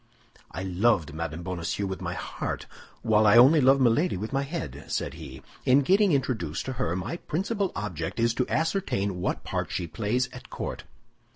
"I loved Madame Bonacieux with my heart, while I only love Milady with my head," said he. "In getting introduced to her, my principal object is to ascertain what part she plays at court."